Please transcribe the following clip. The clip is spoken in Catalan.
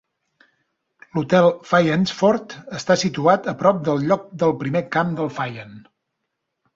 L'Hotel Fyansford està situat a prop del lloc del primer camp de Fyan.